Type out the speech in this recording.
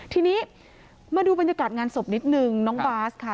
ทีนี้มาดูบรรยากาศงานศพนิดนึงน้องบาสค่ะ